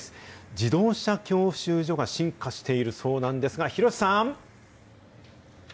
自動車教習所が進化しているそうなんですが、廣さん！